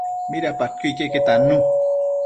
Midapadquio iqueque tannu